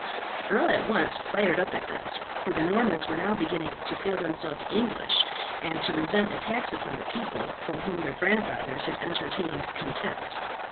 The earl at once fired up at this, for the Normans were now beginning to feel themselves English, and to resent attacks upon a people for whom their grandfathers had entertained contempt.